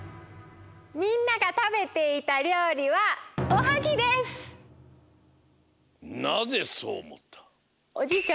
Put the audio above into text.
みんながたべていたりょうりはなぜそうおもった？